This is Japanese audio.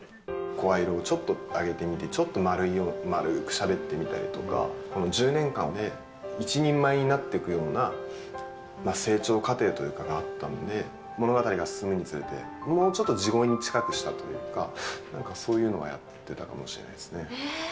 声色をちょっと上げてみて、ちょっと丸くしゃべってみたりとか、１０年間で一人前になっていくような成長過程というかがあったんで、物語が進むにつれて、もうちょっと地声に近くしたというか、なんかそういうのはやってたかもしれないですね。